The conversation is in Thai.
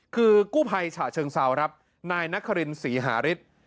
คือกู่ไพฉาเชิงเสาครับนายนครินราชศรีหาฤนศ์